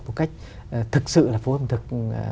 một cách thực sự là phố ẩm thực